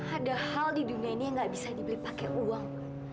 ada hal di dunia ini yang gak bisa dibeli pakai uang